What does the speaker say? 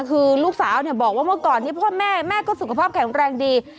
คือลูกสาวเนี่ยบอกว่าเมื่อก่อนนี้พ่อแม่แม่ก็สุขภาพแข็งแรงดี